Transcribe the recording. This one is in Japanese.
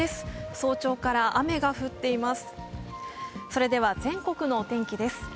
早朝から雨が降っています。